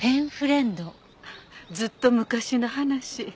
ずっと昔の話。